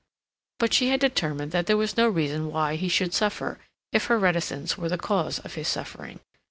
But she had determined that there was no reason why he should suffer if her reticence were the cause of his suffering.